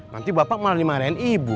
nanti bapak malah dimarahin ibu